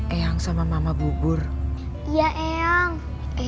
eang sama mama beliin bubur buat tiana terus beliin bubur buat tiana terus beliin